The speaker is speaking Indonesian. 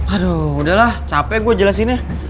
aduh udahlah capek gue jelasinnya